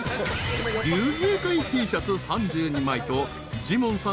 ［竜兵会Ｔシャツ３２枚とジモンさん